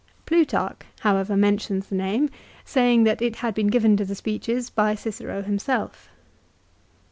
231 Plutarch, however, mentions the name, saying that it had been given to the speeches by Cicero himself.